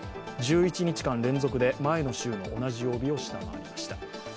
１１日間連続で前の週の同じ曜日を下回りました。